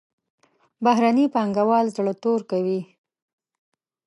بهرني پانګوال زړه تور کوي.